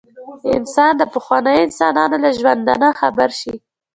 انسان د پخوانیو انسانانو له ژوندانه خبر شي.